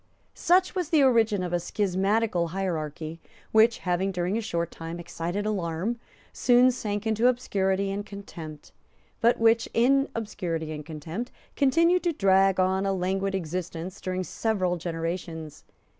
Such was the origin of a schismatical hierarchy, which, having, during a short time, excited alarm, soon sank into obscurity and contempt, but which, in obscurity and contempt, continued to drag on a languid existence during several generations.